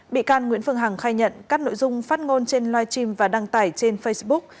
bị can nguyễn phương hằng khai nhận các nội dung phát ngôn trên livestream và đăng tải trên facebook